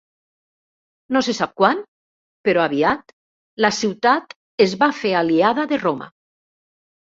No se sap quan, però aviat, la ciutat es va fer aliada de Roma.